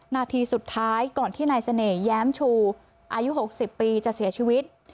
นาทีสุดท้ายก่อนที่นายเสน่ห์แย้มชูอายุ๖๐ปีจะเสียชีวิต